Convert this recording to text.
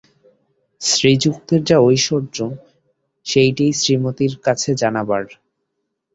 শ্রীযুক্তের যা ঐশ্বর্য সেইটেই শ্রীমতীর কাছে জানাবার।